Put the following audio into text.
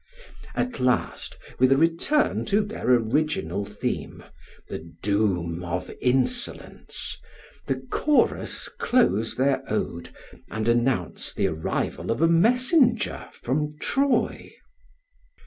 At last with a return to their original theme, the doom of insolence, the chorus close their ode and announce the arrival of a messenger from Troy.